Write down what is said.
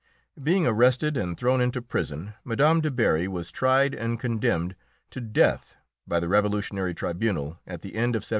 Being arrested and thrown into prison, Mme. Du Barry was tried and condemned to death by the Revolutionary tribunal at the end of 1793.